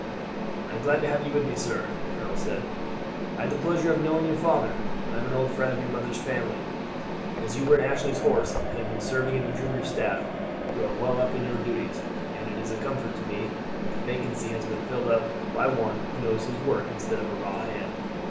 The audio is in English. "I am glad to have you with me, sir," the colonel said. "I had the pleasure of knowing your father, and am an old friend of your mother's family. As you were in Ashley's horse and have been serving on Magruder's staff, you are well up in your duties; and it is a comfort to me that the vacancy has been filled up by one who knows his work instead of a raw hand.